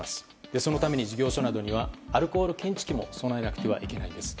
そのために事業所などにはアルコール検知器も備えなくてはいけないです。